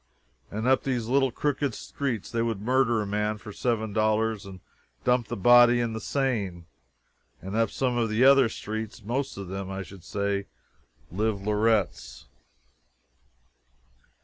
Up these little crooked streets they will murder a man for seven dollars and dump the body in the Seine. And up some other of these streets most of them, I should say live lorettes.